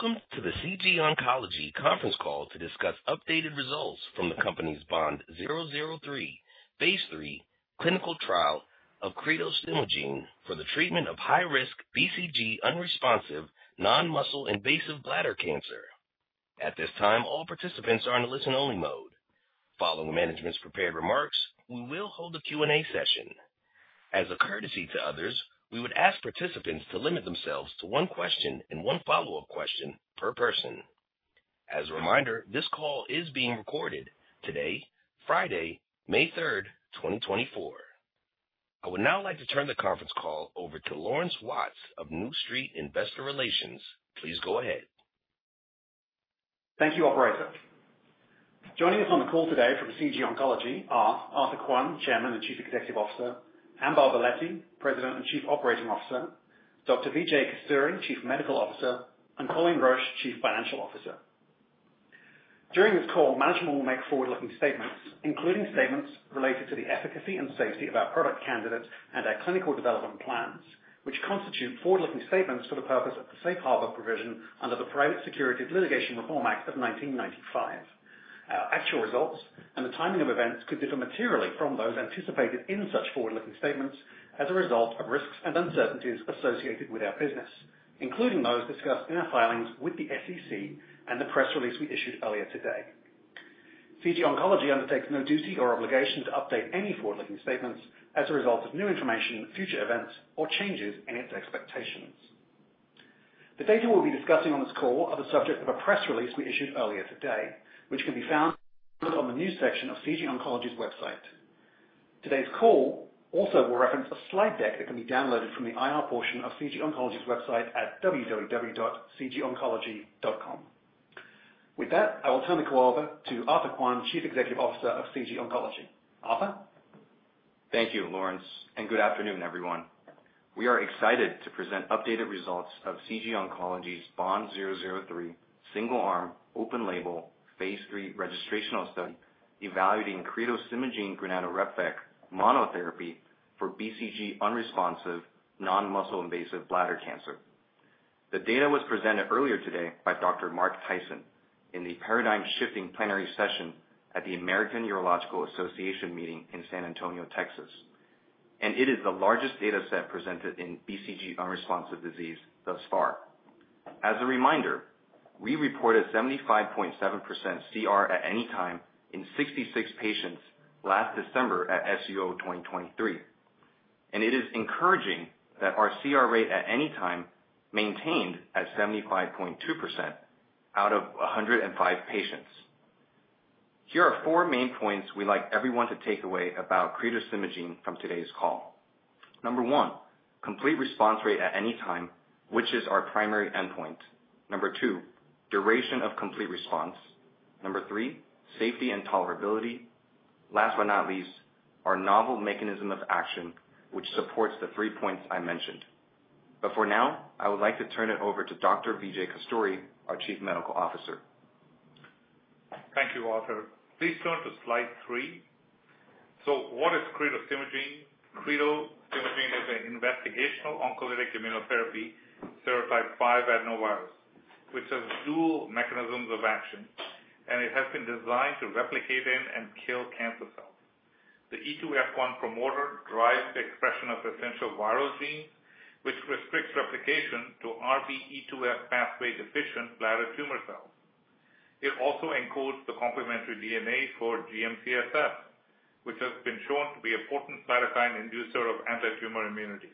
Welcome to the CG Oncology conference call to discuss updated results from the company's BOND-003, phase III clinical trial of cretostimogene for the treatment of high-risk BCG-unresponsive, non-muscle invasive bladder cancer. At this time, all participants are in a listen-only mode. Following management's prepared remarks, we will hold a Q&A session. As a courtesy to others, we would ask participants to limit themselves to one question and one follow-up question per person. As a reminder, this call is being recorded today, Friday, May 3rd, 2024. I would now like to turn the conference call over to Laurence Watts of New Street Investor Relations. Please go ahead. Thank you, operator. Joining us on the call today from CG Oncology are Arthur Kuan, Chairman and Chief Executive Officer; Ambaw Bellete, President and Chief Operating Officer; Dr. Vijay Kasturi, Chief Medical Officer; and Colin Roche, Chief Financial Officer. During this call, management will make forward-looking statements, including statements related to the efficacy and safety of our product candidates and our clinical development plans, which constitute forward-looking statements for the purpose of the Safe Harbor provision under the Private Securities Litigation Reform Act of 1995. Our actual results and the timing of events could differ materially from those anticipated in such forward-looking statements as a result of risks and uncertainties associated with our business, including those discussed in our filings with the SEC and the press release we issued earlier today. CG Oncology undertakes no duty or obligation to update any forward-looking statements as a result of new information, future events, or changes in its expectations. The data we'll be discussing on this call are the subject of a press release we issued earlier today, which can be found on the news section of CG Oncology's website. Today's call also will reference a slide deck that can be downloaded from the IR portion of CG Oncology's website at www.cgoncology.com. With that, I will turn the call over to Arthur Kuan, Chief Executive Officer of CG Oncology. Arthur? Thank you, Laurence, and good afternoon, everyone. We are excited to present updated results of CG Oncology's BOND-003 single-arm, open label, phase III registrational study evaluating cretostimogene grenadenorepvec monotherapy for BCG-unresponsive non-muscle invasive bladder cancer. The data was presented earlier today by Dr. Mark Tyson in the paradigm-shifting plenary session at the American Urological Association meeting in San Antonio, Texas, and it is the largest data set presented in BCG-unresponsive disease thus far. As a reminder, we reported 75.7% CR at any time in 66 patients last December at SUO 2023, and it is encouraging that our CR rate at any time maintained at 75.2% out of 105 patients. Here are four main points we'd like everyone to take away about cretostimogene from today's call. 1, complete response rate at any time, which is our primary endpoint. 2, duration of complete response. 3, safety and tolerability. Last but not least, our novel mechanism of action, which supports the three points I mentioned. But for now, I would like to turn it over to Dr. Vijay Kasturi, our Chief Medical Officer. Thank you, Arthur. Please turn to slide 3. So what is cretostimogene grenadenorepvec? cretostimogene grenadenorepvec is an investigational oncolytic immunotherapy, serotype 5 adenovirus, which has dual mechanisms of action, and it has been designed to replicate in and kill cancer cells. The E2F1 promoter drives the expression of essential viral genes, which restricts replication to RB E2F pathway-deficient bladder tumor cells. It also encodes the complementary DNA for GM-CSF, which has been shown to be a potent cytokine inducer of antitumor immunity.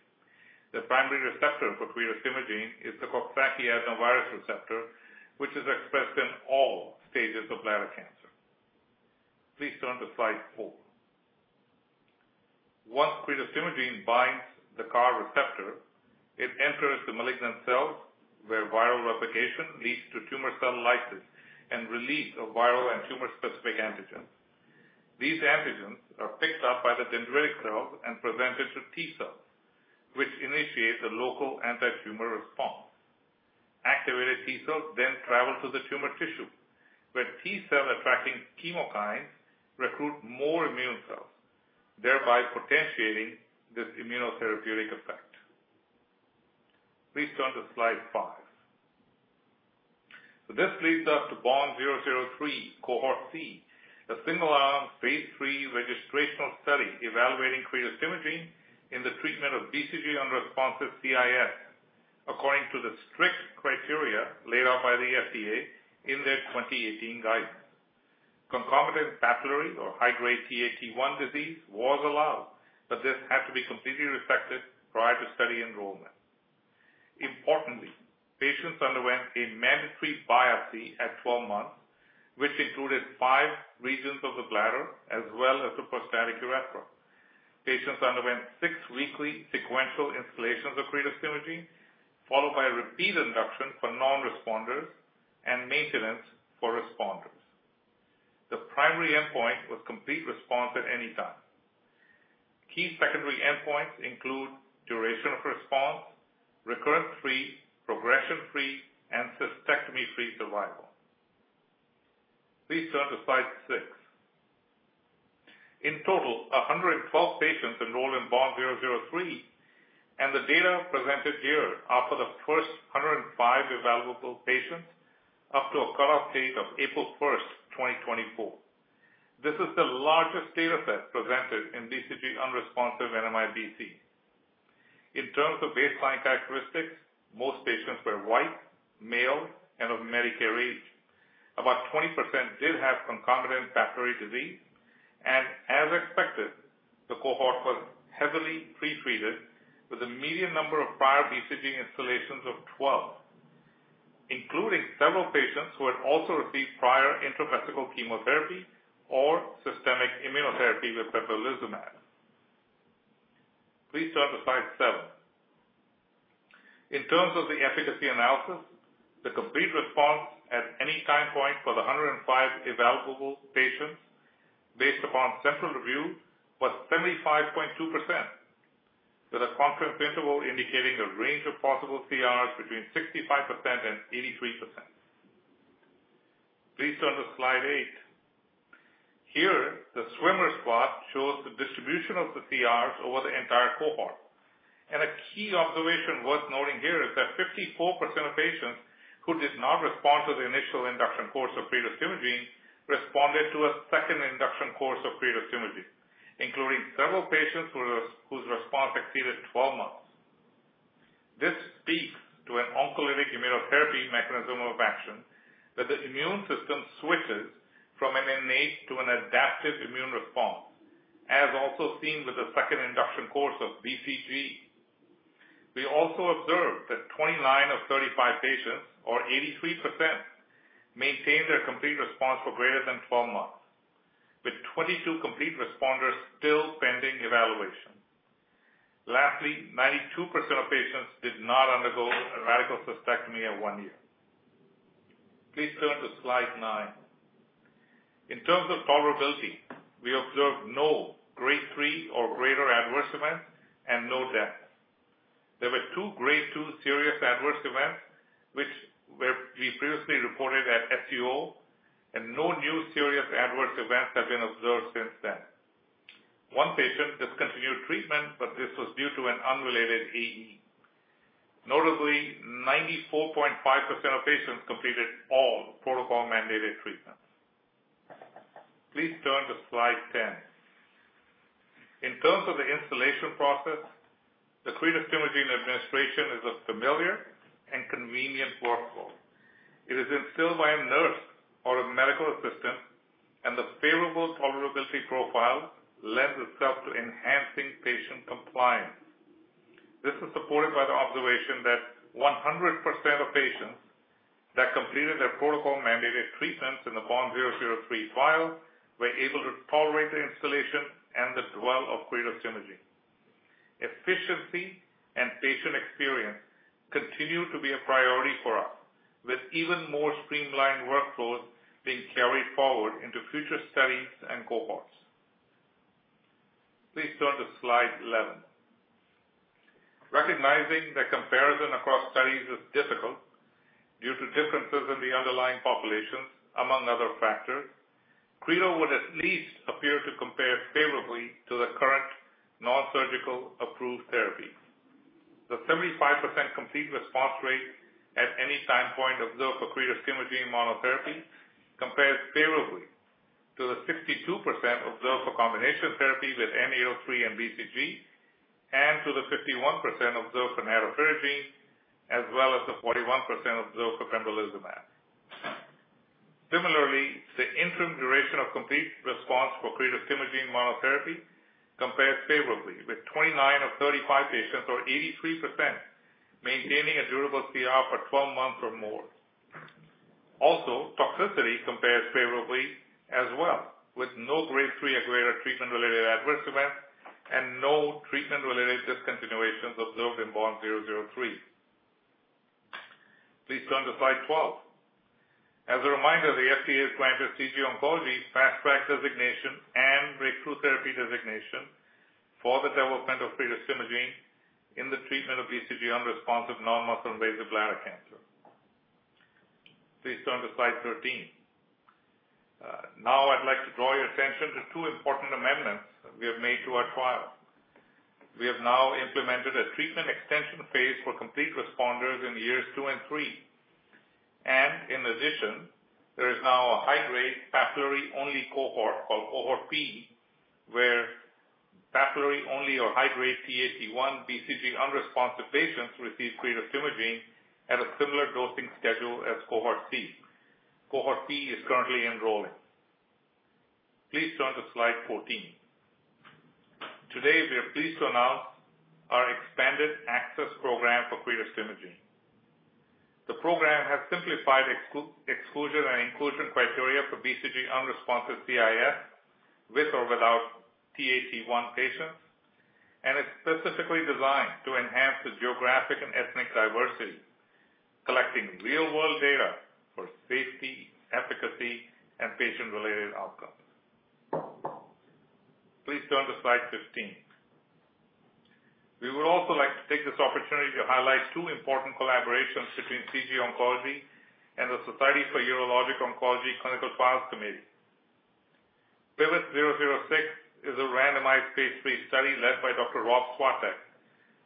The primary receptor for cretostimogene grenadenorepvec is the Coxsackie adenovirus receptor, which is expressed in all stages of bladder cancer. Please turn to slide 4. Once cretostimogene grenadenorepvec binds the CAR receptor, it enters the malignant cells, where viral replication leads to tumor cell lysis and release of viral and tumor-specific antigens. These antigens are picked up by the dendritic cells and presented to T cells, which initiate the local antitumor response. Activated T cells then travel to the tumor tissue, where T cell-attracting chemokines recruit more immune cells, thereby potentiating this immunotherapeutic effect. Please turn to slide 5. This leads us to BOND-003, Cohort C, a single-arm, phase III registrational study evaluating cretostimogene grenadenorepvec in the treatment of BCG-unresponsive CIS according to the strict criteria laid out by the FDA in their 2018 guidance. Concomitant papillary or high-grade Ta, T1 disease was allowed, but this had to be completely resected prior to study enrollment. Importantly, patients underwent a mandatory biopsy at 12 months, which included five regions of the bladder as well as the prostatic urethra. Patients underwent six weekly sequential instillations of cretostimogene grenadenorepvec, followed by repeat induction for non-responders and maintenance for responders. The primary endpoint was complete response at any time. Key secondary endpoints include duration of response, recurrence-free, progression-free, and cystectomy-free survival. Please turn to slide 6. In total, 112 patients enrolled in BOND-003, and the data presented here are for the first 105 evaluable patients up to a cutoff date of April 1, 2024. This is the largest data set presented in BCG unresponsive NMIBC. In terms of baseline characteristics, most patients were White, male, and of Medicare age. About 20% did have concomitant papillary disease, and as expected, the cohort was heavily pretreated with a median number of prior BCG instillations of 12, including several patients who had also received prior intravesical chemotherapy or systemic immunotherapy with pembrolizumab. Please turn to slide 7. In terms of the efficacy analysis, the complete response at any time point for the 105 evaluable patients based upon central review was 75.2%, with a confidence interval indicating a range of possible CRs between 65% and 83%. Please turn to slide 8. Here, the swimmer plot shows the distribution of the CRs over the entire cohort, and a key observation worth noting here is that 54% of patients who did not respond to the initial induction course of cretostimogene responded to a second induction course of cretostimogene, including several patients whose response exceeded 12 months. This speaks to an oncolytic immunotherapy mechanism of action that the immune system switches from an innate to an adaptive immune response, as also seen with the second induction course of BCG. We also observed that 29 of 35 patients, or 83%, maintained their complete response for greater than 12 months, with 22 complete responders still pending evaluation. Lastly, 92% of patients did not undergo a radical cystectomy at one year. Please turn to slide 9. In terms of tolerability, we observed no grade 3 or greater adverse events and no deaths. There were two grade 2 serious adverse events, which we previously reported at SUO, and no new serious adverse events have been observed since then. One patient discontinued treatment, but this was due to an unrelated AE. Notably, 94.5% of patients completed all protocol-mandated treatments. Please turn to slide 10. In terms of the instillation process, the cretostimogene administration is a familiar and convenient workflow. It is instilled by a nurse or a medical assistant, and the favorable tolerability profile lends itself to enhancing patient compliance. This is supported by the observation that 100% of patients that completed their protocol-mandated treatments in the BOND-003 trial were able to tolerate the instillation and the dwell of cretostimogene. Efficiency and patient experience continue to be a priority for us, with even more streamlined workflows being carried forward into future studies and cohorts. Please turn to slide 11. Recognizing that comparison across studies is difficult due to differences in the underlying populations, among other factors, cretostimogene would at least appear to compare favorably to the current nonsurgical approved therapies. The 75% complete response rate at any time point observed for cretostimogene monotherapy compares favorably to the 62% observed for combination therapy with N-803 and BCG, and to the 51% observed for nadofaragene, as well as the 41% observed for pembrolizumab. Similarly, the interim duration of complete response for cretostimogene monotherapy compares favorably, with 29 of 35 patients, or 83%, maintaining a durable CR for 12 months or more. Also, toxicity compares favorably as well, with no grade 3 or greater treatment-related adverse events and no treatment-related discontinuations observed in BOND-003. Please turn to slide 12. As a reminder, the FDA has granted CG Oncology Fast Track designation and Breakthrough Therapy designation for the development of cretostimogene in the treatment of BCG unresponsive non-muscle invasive bladder cancer. Please turn to slide 13. Now I'd like to draw your attention to two important amendments that we have made to our trial. We have now implemented a treatment extension phase for complete responders in years two and three. In addition, there is now a high-grade papillary-only cohort, called Cohort P, where papillary-only or high-grade Ta/T1 BCG-unresponsive patients receive cretostimogene at a similar dosing schedule as Cohort C. Cohort P is currently enrolling. Please turn to slide 14. Today, we are pleased to announce our expanded access program for cretostimogene. The program has simplified exclusion and inclusion criteria for BCG-unresponsive CIS, with or without Ta/T1 patients, and it's specifically designed to enhance the geographic and ethnic diversity, collecting real-world data for safety, efficacy, and patient-related outcomes. Please turn to slide 15. We would also like to take this opportunity to highlight two important collaborations between CG Oncology and the Society of Urologic Oncology Clinical Trials Committee. PIVOT-006 is a randomized phase III study led by Dr. Rob Svatek,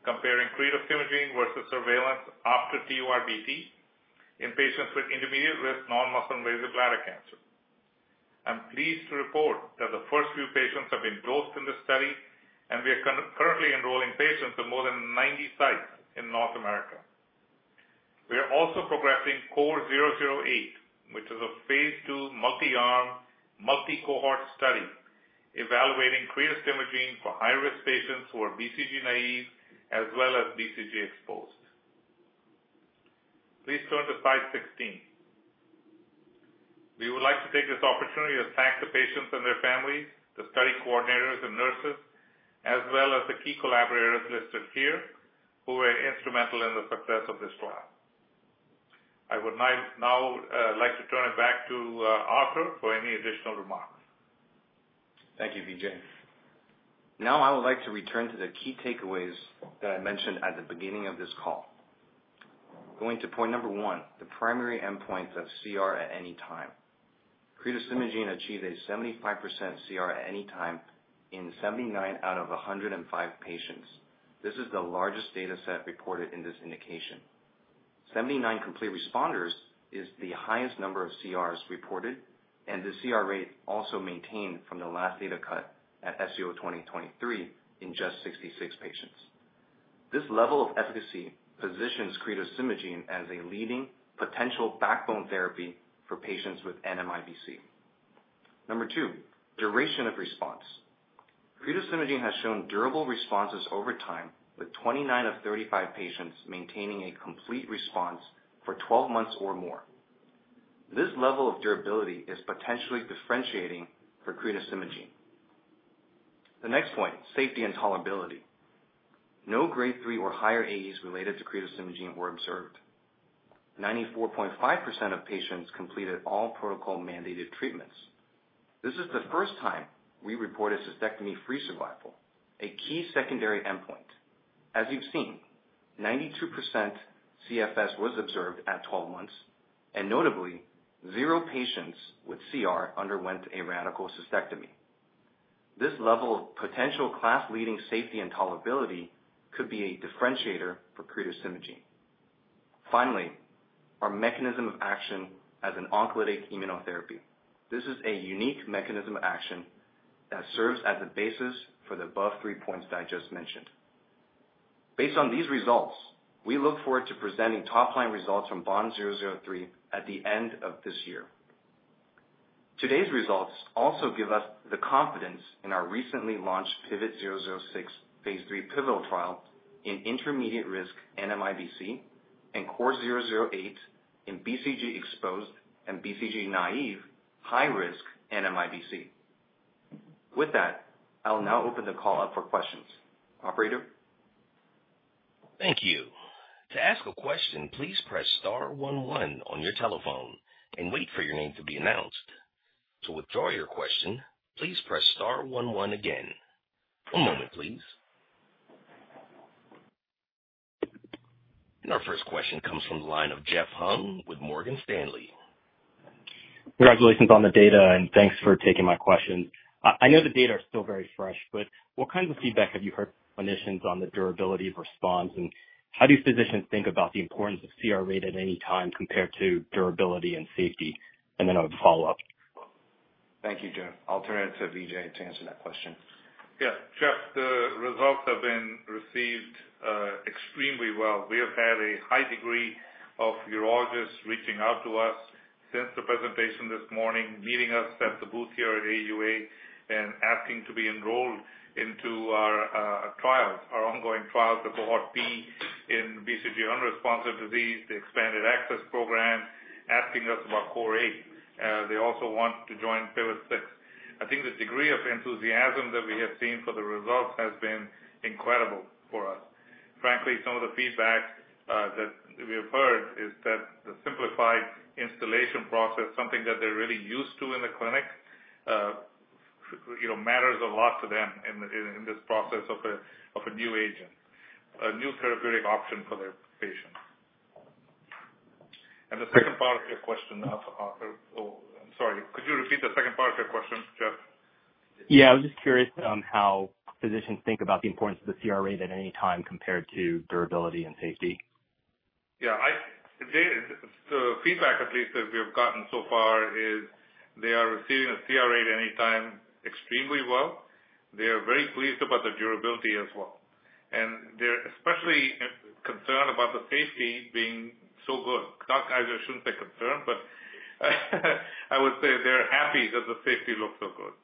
comparing cretostimogene versus surveillance after TURBT in patients with intermediate-risk non-muscle invasive bladder cancer. I'm pleased to report that the first few patients have been dosed in this study, and we are currently enrolling patients at more than 90 sites in North America. We are also progressing CORE-008, which is a phase II multi-arm, multi-cohort study, evaluating cretostimogene for high-risk patients who are BCG naive as well as BCG exposed. Please turn to slide 16. We would like to take this opportunity to thank the patients and their families, the study coordinators and nurses, as well as the key collaborators listed here, who were instrumental in the success of this trial. I would like now, like to turn it back to Arthur, for any additional remarks. Thank you, Vijay. Now I would like to return to the key takeaways that I mentioned at the beginning of this call. Going to point number one, the primary endpoints of CR at any time. cretostimogene achieved a 75% CR at any time in 79 out of 105 patients. This is the largest data set reported in this indication. 79 complete responders is the highest number of CRs reported, and the CR rate also maintained from the last data cut at SUO 2023 in just 66 patients. This level of efficacy positions cretostimogene as a leading potential backbone therapy for patients with NMIBC. Number two, duration of response. cretostimogene has shown durable responses over time, with 29 of 35 patients maintaining a complete response for 12 months or more. This level of durability is potentially differentiating for cretostimogene. The next point, safety and tolerability. No grade three or higher AEs related to cretostimogene were observed. 94.5% of patients completed all protocol-mandated treatments. This is the first time we reported cystectomy-free survival, a key secondary endpoint. As you've seen, 92% CFS was observed at 12 months, and notably, zero patients with CR underwent a radical cystectomy. This level of potential class-leading safety and tolerability could be a differentiator for cretostimogene. Finally, our mechanism of action as an oncolytic immunotherapy. This is a unique mechanism of action that serves as the basis for the above three points that I just mentioned. Based on these results, we look forward to presenting top-line results from BOND-003 at the end of this year. Today's results also give us the confidence in our recently launched PIVOT-006, phase III pivotal trial in intermediate risk NMIBC, and CORE-008 in BCG-exposed and BCG-naive high-risk NMIBC. With that, I'll now open the call up for questions. Operator? Thank you. To ask a question, please press star one one on your telephone and wait for your name to be announced. To withdraw your question, please press star one one again. One moment, please. Our first question comes from the line of Jeff Hung with Morgan Stanley. Congratulations on the data, and thanks for taking my questions. I know the data are still very fresh, but what kinds of feedback have you heard from clinicians on the durability of response, and how do physicians think about the importance of CR rate at any time compared to durability and safety? And then I would follow up. Thank you, Jeff. I'll turn it to Vijay to answer that question. Yeah. Jeff, the results have been received extremely well. We have had a high degree of urologists reaching out to us since the presentation this morning, meeting us at the booth here at AUA and asking to be enrolled into our trials, our ongoing trials, the Cohort B in BCG unresponsive disease, the expanded access program, asking us about CORE-008. They also want to join PIVOT-006. I think the degree of enthusiasm that we have seen for the results has been incredible for us. Frankly, some of the feedback that we have heard is that the simplified instillation process, something that they're really used to in the clinic, you know, matters a lot to them in this process of a new agent, a new therapeutic option for their patients. And the second part of your question, Arthur... Oh, I'm sorry, could you repeat the second part of your question, Jeff? Yeah. I was just curious on how physicians think about the importance of the CR rate at any time, compared to durability and safety. Yeah, the feedback, at least, that we have gotten so far is they are receiving a CR rate at any time extremely well. They are very pleased about the durability as well, and they're especially concerned about the safety being so good. Doc, I shouldn't say concerned, but I would say they're happy that the safety looks so good.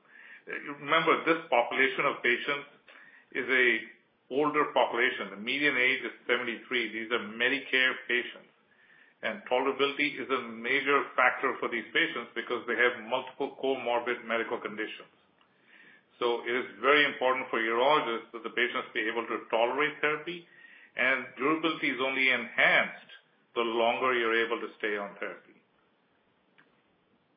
You remember, this population of patients is a older population. The median age is 73. These are Medicare patients, and tolerability is a major factor for these patients because they have multiple comorbid medical conditions. So it is very important for urologists that the patients be able to tolerate therapy, and durability is only enhanced the longer you're able to stay on therapy....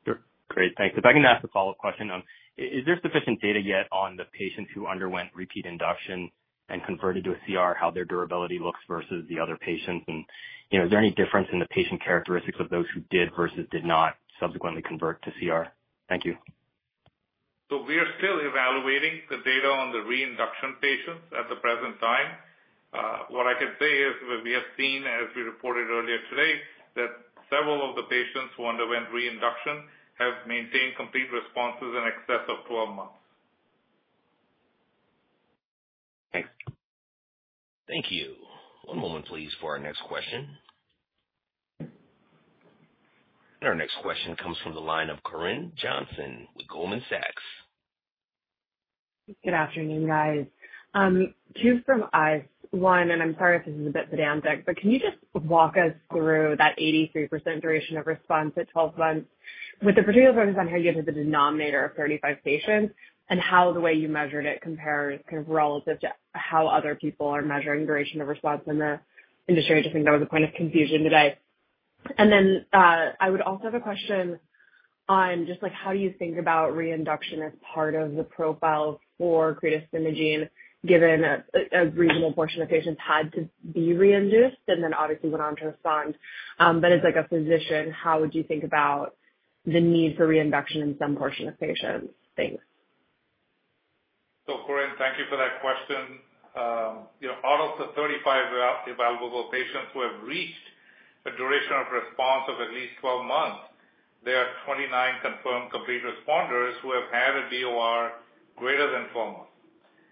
Sure. Great, thanks. If I can ask a follow-up question on, is there sufficient data yet on the patients who underwent repeat induction and converted to a CR, how their durability looks versus the other patients? And, you know, is there any difference in the patient characteristics of those who did versus did not subsequently convert to CR? Thank you. So we are still evaluating the data on the reinduction patients at the present time. What I can say is that we have seen, as we reported earlier today, that several of the patients who underwent reinduction have maintained complete responses in excess of 12 months. Thanks. Thank you. One moment, please, for our next question. Our next question comes from the line of Corinne Jenkins with Goldman Sachs. Good afternoon, guys. Two from us. One, and I'm sorry if this is a bit pedantic, but can you just walk us through that 83% duration of response at 12 months with a particular focus on how you have the denominator of 35 patients, and how the way you measured it compares kind of relative to how other people are measuring duration of response in the industry? I just think that was a point of confusion today. Then, I would also have a question on just, like, how you think about reinduction as part of the profile for cretostimogene, given a reasonable portion of patients had to be reinduced and then obviously went on to respond. But as, like, a physician, how would you think about the need for reinduction in some portion of patients? Thanks. So Corinne, thank you for that question. You know, out of the 35 evaluable patients who have reached a duration of response of at least 12 months, there are 29 confirmed complete responders who have had a DOR greater than four months.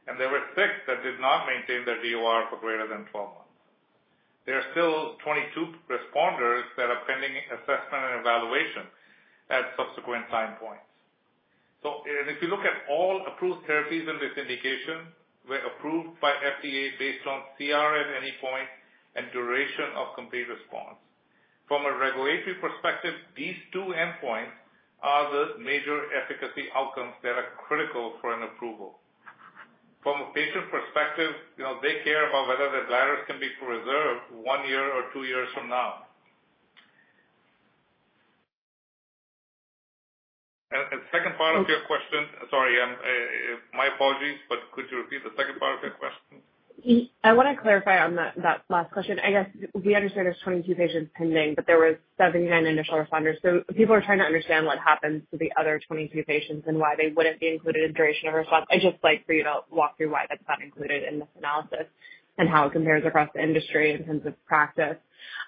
And there were six that did not maintain their DOR for greater than 12 months. There are still 22 responders that are pending assessment and evaluation at subsequent time points. So and if you look at all approved therapies in this indication, were approved by FDA based on CR at any point and duration of complete response. From a regulatory perspective, these two endpoints are the major efficacy outcomes that are critical for an approval. From a patient perspective, you know, they care about whether their bladder can be preserved one year or two years from now. And, second part of your question. Sorry, my apologies, but could you repeat the second part of your question? I want to clarify on that, that last question. I guess we understand there's 22 patients pending, but there was 79 initial responders. So people are trying to understand what happens to the other 22 patients and why they wouldn't be included in duration of response. I'd just like for you to walk through why that's not included in this analysis and how it compares across the industry in terms of practice.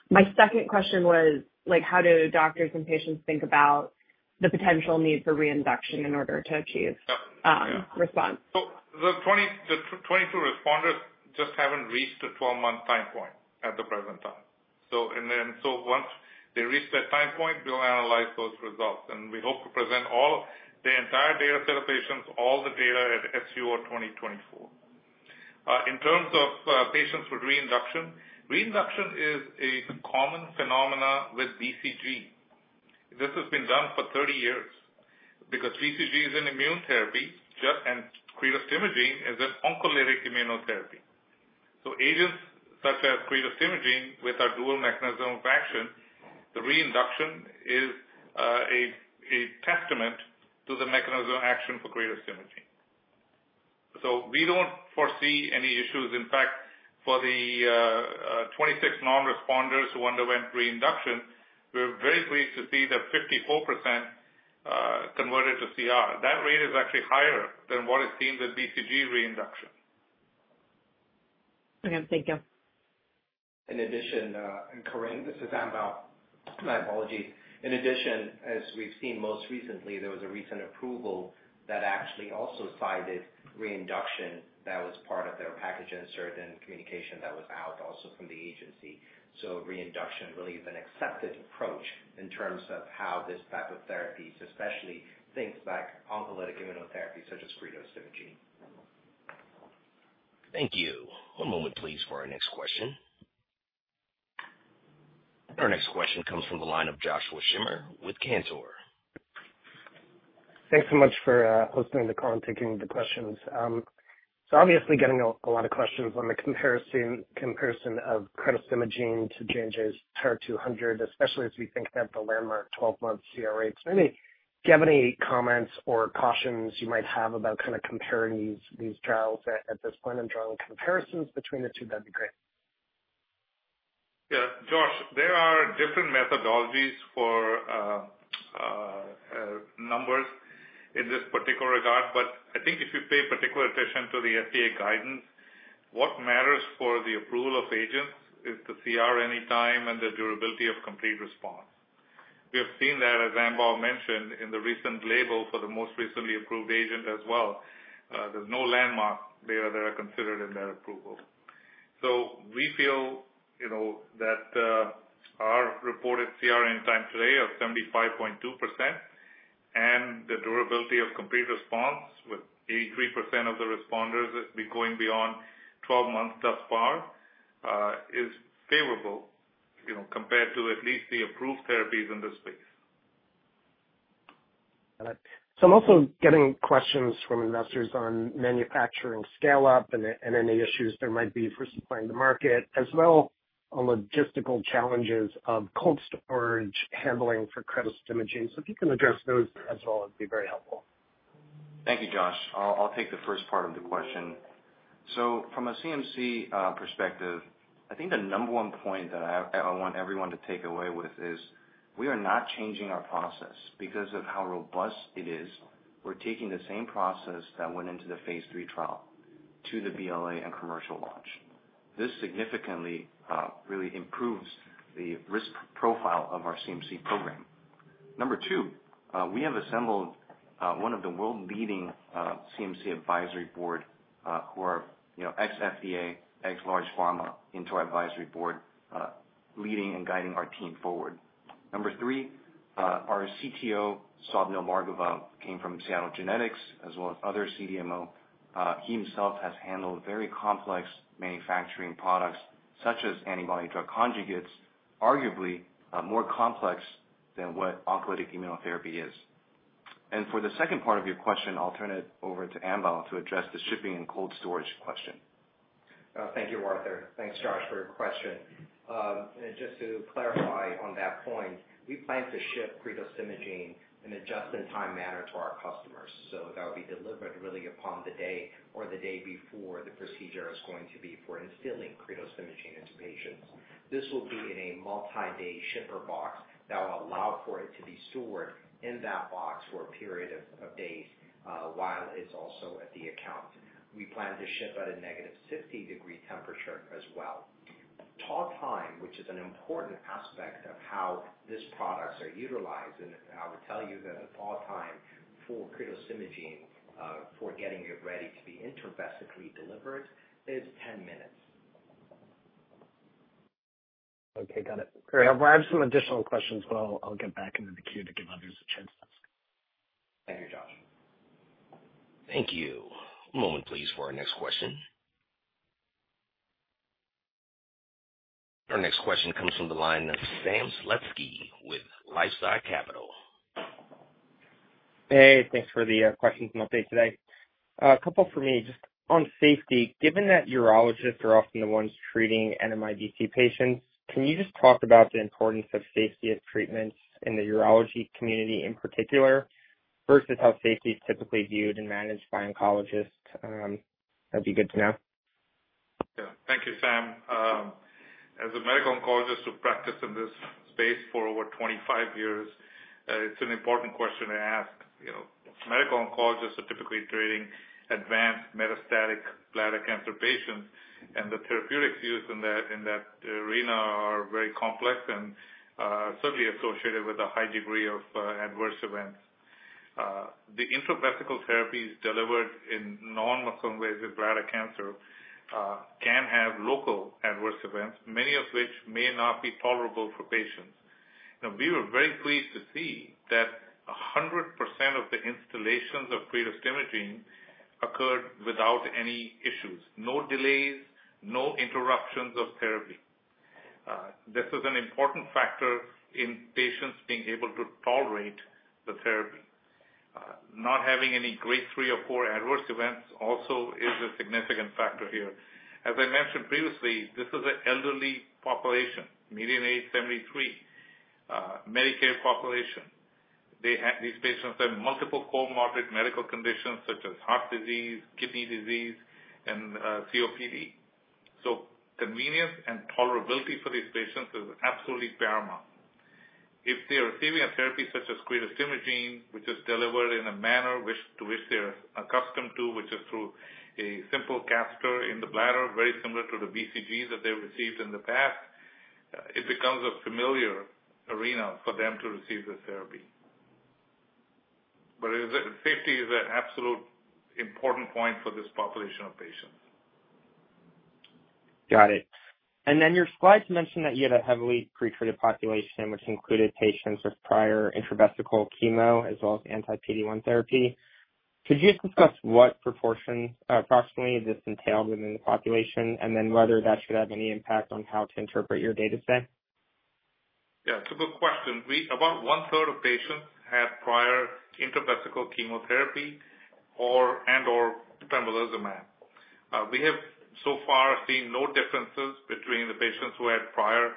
My second question was, like, how do doctors and patients think about the potential need for reinduction in order to achieve- Yeah. -um, response? So the 22 responders just haven't reached the 12-month time point at the present time. So, once they reach that time point, we'll analyze those results, and we hope to present all the entire data set of patients, all the data at SUO 2024. In terms of patients with reinduction, reinduction is a common phenomenon with BCG. This has been done for 30 years because BCG is an immune therapy, and cretostimogene is an oncolytic immunotherapy. So agents such as cretostimogene, with our dual mechanism of action, the reinduction is a testament to the mechanism of action for cretostimogene. So we don't foresee any issues. In fact, for the 26 non-responders who underwent reinduction, we were very pleased to see that 54% converted to CR. That rate is actually higher than what is seen with BCG reinduction. Okay, thank you. In addition, and Corinne, this is Ambaw. My apologies. In addition, as we've seen most recently, there was a recent approval that actually also cited reinduction that was part of their package insert and communication that was out also from the agency. So reinduction really is an accepted approach in terms of how this type of therapies, especially things like oncolytic immunotherapy, such as Cretostimogene. Thank you. One moment, please, for our next question. Our next question comes from the line of Josh Schimmer with Cantor. Thanks so much for hosting the call and taking the questions. Obviously getting a lot of questions on the comparison of cretostimogene to J&J's TAR-200, especially as we think about the landmark 12-month CR rates. Do you have any comments or cautions you might have about kind of comparing these trials at this point and drawing comparisons between the two? That'd be great. Yeah, Josh, there are different methodologies for numbers in this particular regard, but I think if you pay particular attention to the FDA guidance, what matters for the approval of agents is the CR anytime and the durability of complete response. We have seen that, as Ambaw mentioned, in the recent label for the most recently approved agent as well. There's no landmark there that are considered in that approval. So we feel, you know, that our reported CR anytime today of 75.2% and the durability of complete response with 83% of the responders going beyond 12 months thus far is favorable, you know, compared to at least the approved therapies in this space.... so I'm also getting questions from investors on manufacturing scale-up and any issues there might be for supplying the market, as well on logistical challenges of cold storage handling for cretostimogene. So if you can address those as well, it'd be very helpful. Thank you, Josh. I'll take the first part of the question. So from a CMC perspective, I think the number 1 point that I want everyone to take away with is, we are not changing our process. Because of how robust it is, we're taking the same process that went into the phase III trial to the BLA and commercial launch. This significantly really improves the risk profile of our CMC program. Number 2, we have assembled one of the world-leading CMC advisory board, who are, you know, ex-FDA, ex-large pharma, into our advisory board, leading and guiding our team forward. Number 3, our CTO, Savnoor Marwaha, came from Seattle Genetics as well as other CDMO. He himself has handled very complex manufacturing products such as antibody drug conjugates, arguably, more complex than what oncolytic immunotherapy is. For the second part of your question, I'll turn it over to Ambaw to address the shipping and cold storage question. Thank you, Arthur. Thanks, Josh, for your question. And just to clarify on that point, we plan to ship cretostimogene in a just-in-time manner to our customers. So that will be delivered really upon the day or the day before the procedure is going to be for instilling cretostimogene into patients. This will be in a multi-day shipper box that will allow for it to be stored in that box for a period of days, while it's also at the account. We plan to ship at a negative 60-degree temperature as well. Thaw time, which is an important aspect of how these products are utilized, and I would tell you that the thaw time for cretostimogene, for getting it ready to be intravesically delivered, is 10 minutes. Okay, got it. Great. I have some additional questions, but I'll, I'll get back into the queue to give others a chance to ask. Thank you, Josh. Thank you. One moment, please, for our next question. Our next question comes from the line of Sam Slutsky with LifeSci Capital. Hey, thanks for the questions and update today. A couple for me, just on safety. Given that urologists are often the ones treating NMIBC patients, can you just talk about the importance of safety of treatments in the urology community in particular, versus how safety is typically viewed and managed by oncologists? That'd be good to know. Yeah. Thank you, Sam. As a medical oncologist who practiced in this space for over 25 years, it's an important question to ask. You know, medical oncologists are typically treating advanced metastatic bladder cancer patients, and the therapeutics used in that arena are very complex and certainly associated with a high degree of adverse events. The intravesical therapies delivered in non-muscle invasive bladder cancer can have local adverse events, many of which may not be tolerable for patients. Now, we were very pleased to see that 100% of the instillations of Cretostimogene occurred without any issues, no delays, no interruptions of therapy. This is an important factor in patients being able to tolerate the therapy. Not having any grade 3 or 4 adverse events also is a significant factor here. As I mentioned previously, this is an elderly population, median age 73, Medicare population. These patients have multiple comorbid medical conditions such as heart disease, kidney disease, and COPD. So convenience and tolerability for these patients is absolutely paramount. If they are receiving a therapy such as cretostimogene, which is delivered in a manner which, to which they're accustomed to, which is through a simple catheter in the bladder, very similar to the BCGs that they received in the past, it becomes a familiar arena for them to receive the therapy. But safety is an absolute important point for this population of patients. Got it. Then your slides mentioned that you had a heavily pretreated population, which included patients with prior intravesical chemo as well as anti-PD-1 therapy. Could you just discuss what proportion, approximately, this entailed within the population, and then whether that should have any impact on how to interpret your data set? Yeah, it's a good question. About one third of patients had prior intravesical chemotherapy or and/or pembrolizumab. We have so far seen no differences between the patients who had prior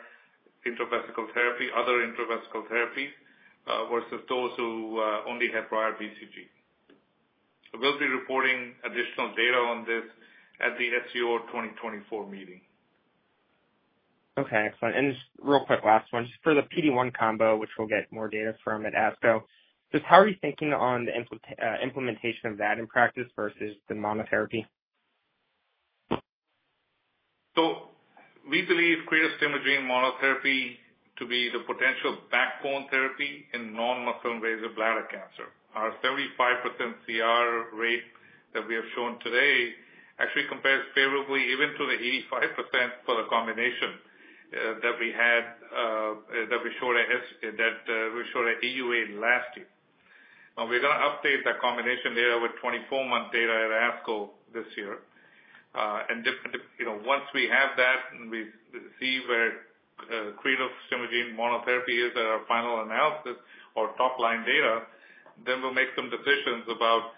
intravesical therapy, other intravesical therapy, versus those who only had prior BCG. We'll be reporting additional data on this at the SUO 2024 meeting. Okay, excellent. And just real quick, last one. Just for the PD-1 combo, which we'll get more data from at ASCO, just how are you thinking on the implementation of that in practice versus the monotherapy? So we believe cretostimogene monotherapy to be the potential backbone therapy in non-muscle invasive bladder cancer. Our 75% CR rate that we have shown today actually compares favorably even to the 85% for the combination that we showed at AUA last year. Now, we're gonna update that combination data with 24-month data at ASCO this year... And different, you know, once we have that, and we see where cretostimogene monotherapy is at our final analysis or top-line data, then we'll make some decisions about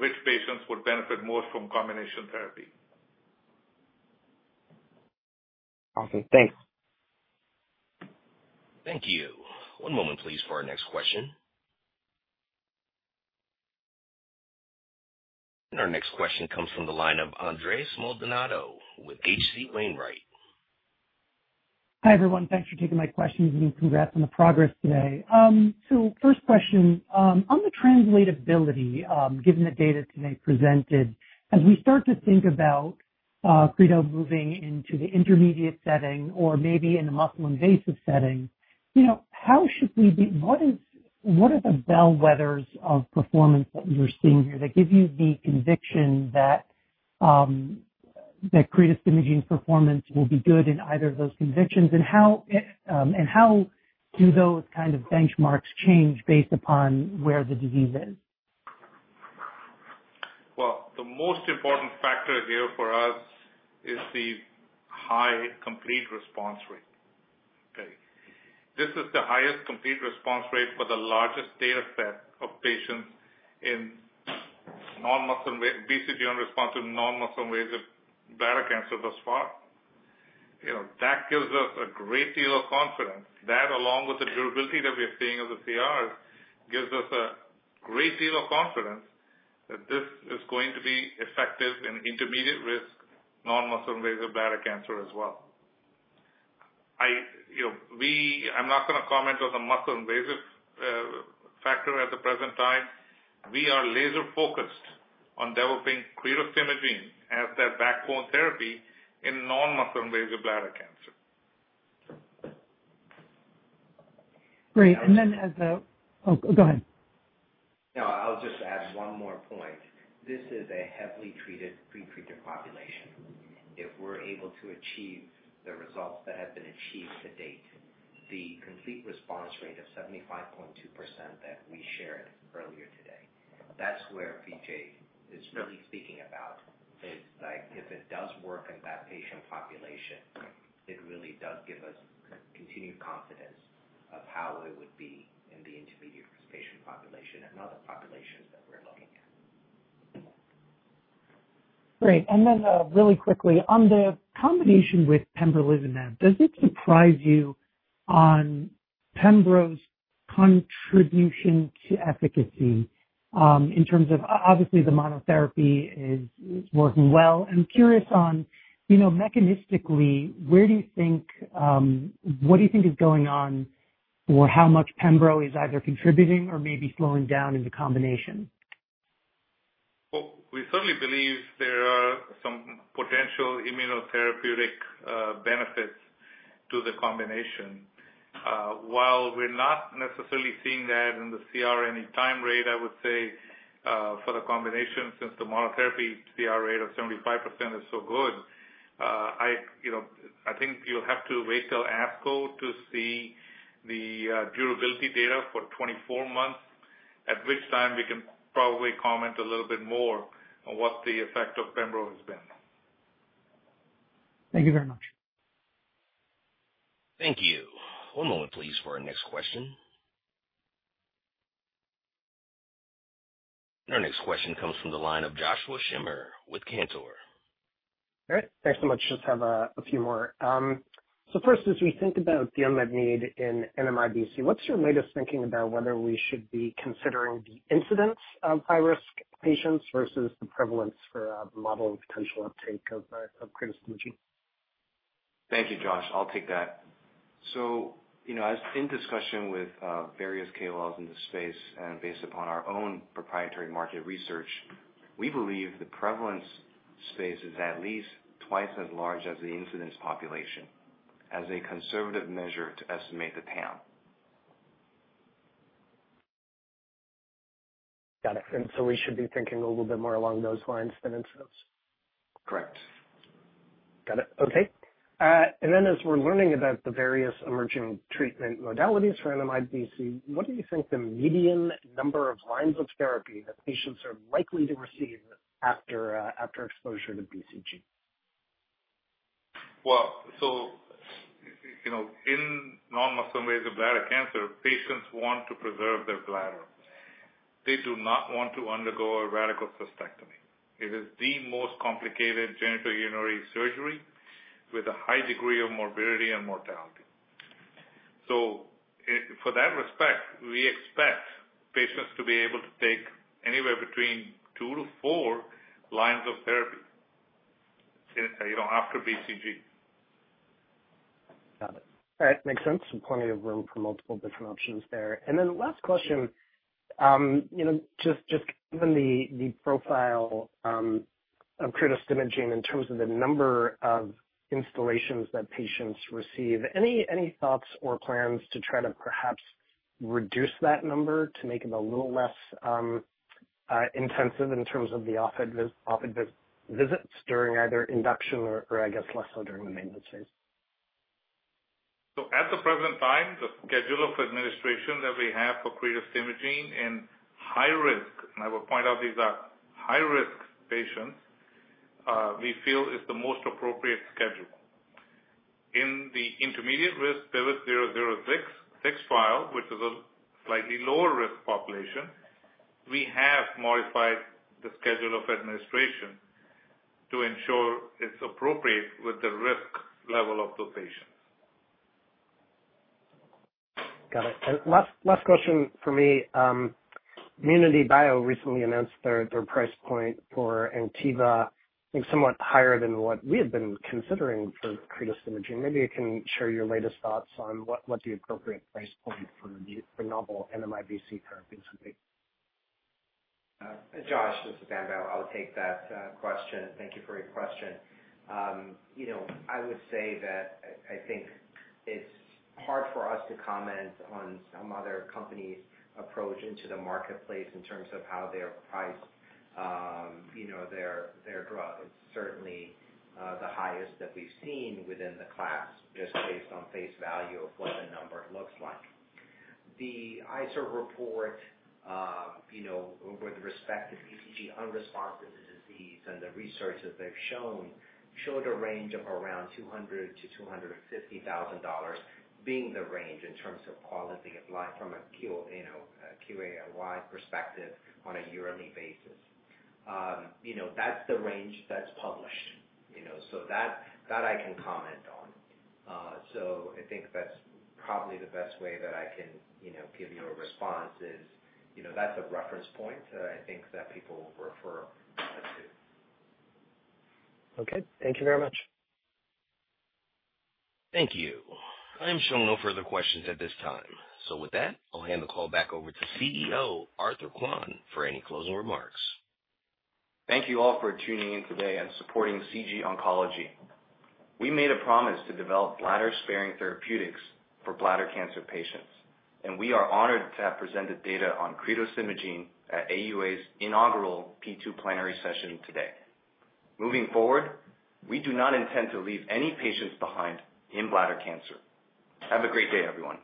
which patients would benefit most from combination therapy. Awesome. Thanks. Thank you. One moment, please, for our next question. Our next question comes from the line of Andres Maldonado with H.C. Wainwright. Hi, everyone. Thanks for taking my questions, and congrats on the progress today. So first question, on the translatability, given the data today presented, as we start to think about, cretostimogene moving into the intermediate setting or maybe in the muscle-invasive setting, you know, what are the bellwethers of performance that we're seeing here that give you the conviction that, cretostimogene performance will be good in either of those settings? And how do those kind of benchmarks change based upon where the disease is? Well, the most important factor here for us is the high complete response rate. Okay? This is the highest complete response rate for the largest data set of patients in non-muscle, BCG unresponsive, non-muscle invasive bladder cancer thus far. You know, that gives us a great deal of confidence. That, along with the durability that we are seeing as a CR, gives us a great deal of confidence that this is going to be effective in intermediate risk, non-muscle invasive bladder cancer as well. I, you know, I'm not going to comment on the muscle-invasive factor at the present time. We are laser focused on developing cretostimogene as that backbone therapy in non-muscle invasive bladder cancer. Great. And then as a... Oh, go ahead. No, I'll just add one more point. This is a heavily treated, pre-treated population. If we're able to achieve the results that have been achieved to date, the complete response rate of 75.2% that we shared earlier today, that's where Vijay is really speaking about. It's like, if it does work in that patient population, it really does give us continued confidence of how it would be in the intermediate-risk patient population and other populations that we're looking at. Great. And then, really quickly, on the combination with pembrolizumab, does it surprise you on Pembro's contribution to efficacy, in terms of... Obviously, the monotherapy is working well. I'm curious on, you know, mechanistically, where do you think, what do you think is going on, or how much Pembro is either contributing or maybe slowing down in the combination? Well, we certainly believe there are some potential immunotherapeutic benefits to the combination. While we're not necessarily seeing that in the CR any time rate, I would say, for the combination, since the monotherapy CR rate of 75% is so good, you know, I think you'll have to wait till ASCO to see the durability data for 24 months, at which time we can probably comment a little bit more on what the effect of pembro has been. Thank you very much. Thank you. One moment, please, for our next question. Our next question comes from the line of Josh Schimmer with Cantor. All right. Thanks so much. Just have a few more. So first, as we think about the unmet need in MIBC, what's your latest thinking about whether we should be considering the incidence of high-risk patients versus the prevalence for the model of potential uptake of cretostimogene? Thank you, Josh. I'll take that. So, you know, as in discussion with various KOLs in the space and based upon our own proprietary market research, we believe the prevalence space is at least twice as large as the incidence population, as a conservative measure to estimate the panel. Got it. And so we should be thinking a little bit more along those lines than instances? Correct. Got it. Okay. As we're learning about the various emerging treatment modalities for MIBC, what do you think the median number of lines of therapy that patients are likely to receive after exposure to BCG? Well, so, you know, in non-muscle invasive bladder cancer, patients want to preserve their bladder. They do not want to undergo a radical cystectomy. It is the most complicated genitourinary surgery with a high degree of morbidity and mortality. So, for that respect, we expect patients to be able to take anywhere between two to four lines of therapy, you know, after BCG. Got it. All right. Makes sense. So plenty of room for multiple different options there. And then last question, you know, just given the profile of cretostimogene in terms of the number of instillations that patients receive, any thoughts or plans to try to perhaps reduce that number to make it a little less intensive in terms of the office visits during either induction or I guess, less so during the maintenance phase? ... So at the present time, the schedule of administration that we have for cretostimogene in high risk, and I will point out these are high risk patients, we feel is the most appropriate schedule. In the intermediate risk, PIVOT-006 trial, which is a slightly lower risk population, we have modified the schedule of administration to ensure it's appropriate with the risk level of those patients. Got it. And last, last question for me. ImmunityBio recently announced their, their price point for Anktiva, I think, somewhat higher than what we had been considering for cretostimogene. Maybe you can share your latest thoughts on what, what the appropriate price point for the, for novel NMIBC therapeutics would be. Josh, this is Dan Barrow. I'll take that question. Thank you for your question. You know, I would say that I, I think it's hard for us to comment on some other company's approach into the marketplace in terms of how they have priced, you know, their, their drug. It's certainly the highest that we've seen within the class, just based on face value of what the number looks like. The ICER report, you know, with respect to BCG unresponsive disease and the research that they've shown, showed a range of around $200,000-$250,000 being the range in terms of quality of life from a QoL, you know, a QALY perspective on a yearly basis. You know, that's the range that's published, you know, so that, that I can comment on. So, I think that's probably the best way that I can, you know, give you a response is, you know, that's a reference point, I think that people will refer to. Okay, thank you very much. Thank you. I'm showing no further questions at this time. So with that, I'll hand the call back over to CEO, Arthur Kuan, for any closing remarks. Thank you all for tuning in today and supporting CG Oncology. We made a promise to develop bladder-sparing therapeutics for bladder cancer patients, and we are honored to have presented data on cretostimogene at AUA's inaugural P2 plenary session today. Moving forward, we do not intend to leave any patients behind in bladder cancer. Have a great day, everyone.